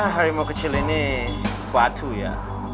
harimau kecil ini batu ya